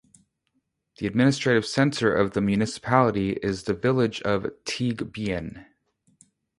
The administrative centre of the municipality is the village of Teigebyen.